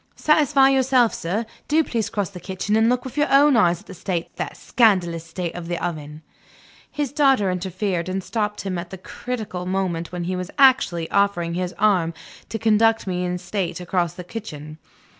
Satisfy yourself, sir; do please cross the kitchen and look with your own eyes at the state, the scandalous state, of the oven." His daughter interfered, and stopped him at the critical moment when he was actually offering his arm to conduct me in state across the kitchen.